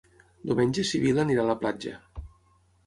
Diumenge na Sibil·la anirà a la platja.